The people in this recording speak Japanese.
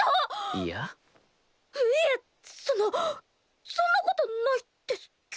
いえそのそんなことないですけど。